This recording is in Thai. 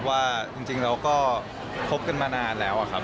ว่าจริงเราก็คบกันมานานแล้วครับ